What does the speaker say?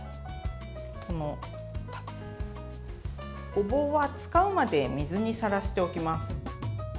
ごぼうは使うまで水にさらしておきます。